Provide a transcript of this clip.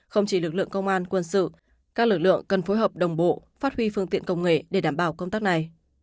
không chỉ lực lượng công an quân sự các lực lượng cần phối hợp đồng bộ phát huy phương tiện công nghệ để đảm bảo công tác này